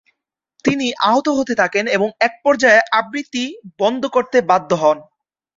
তিনি আহত হতে থাকেন এবং এক পর্যায়ে আবৃত্তি বন্ধ করতে বাধ্য হন।